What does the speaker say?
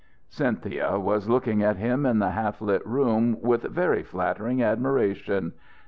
Cynthia was looking at him in the half lit room with very flattering admiration....